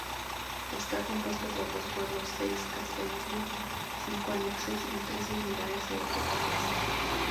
Está compuesto por dos pueblos, seis caseríos, cinco anexos y trece unidades agropecuarias.